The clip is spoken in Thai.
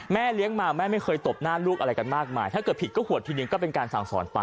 เลี้ยงมาแม่ไม่เคยตบหน้าลูกอะไรกันมากมายถ้าเกิดผิดก็ขวดทีหนึ่งก็เป็นการสั่งสอนไป